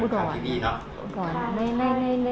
พันธุ์ปันที่ผิดนะ